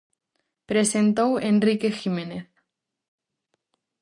Presentou Enrique Jiménez.